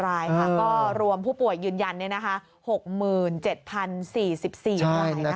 รายค่ะก็รวมผู้ป่วยยืนยัน๖๗๐๔๔ราย